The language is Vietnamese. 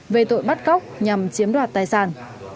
về tội bắt góc nhằm chiếm đoạt tài sản